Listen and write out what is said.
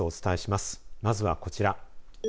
まずはこちら。